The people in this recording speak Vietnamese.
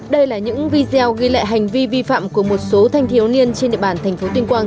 đây là những video ghi lại hành vi vi phạm của một số thanh thiếu niên trên địa bàn thành phố tuyên quang